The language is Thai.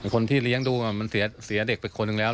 คนที่เลี้ยงดูมันเสียเด็กไปคนหนึ่งแล้ว